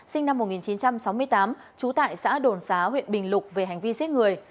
sinh năm một nghìn chín trăm sáu mươi tám trú tại xã đồn xá huyện bình lục về hành vi giết người